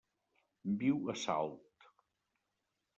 Viu a Salt.